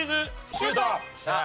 シュート！